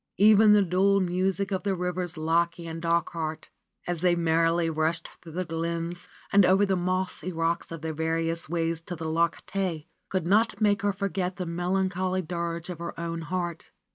Even the dual music of the rivers Lochay and Dochart, as they merrily rushed through the glens and over the mossy rocks on their various ways to the Loch Tay, could not make her forget the melancholy dirge in her own heart.